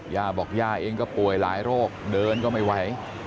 ย่าบอกย่าเองก็ป่วยหลายโรคเดินก็ไม่ไหว